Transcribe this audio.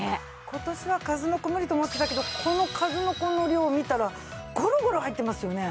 今年は数の子無理と思ってたけどこの数の子の量を見たらゴロゴロ入ってますよね。